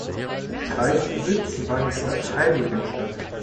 Kreissitz war die Stadt Heiligenstadt.